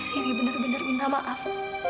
benar benar minta maaf